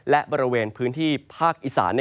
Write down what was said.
และบริเวณพื้นที่ภาคอีสาน